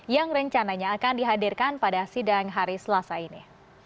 yang rencananya akan dihadirkan pada sidang hari selasa ini